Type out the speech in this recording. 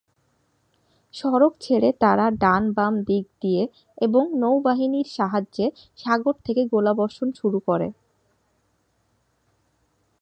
সড়ক ছেড়ে তারা ডান-বাম দিক দিয়ে এবং নৌবাহিনীর সাহায্যে সাগর থেকে গোলাবর্ষণ শুরু করে।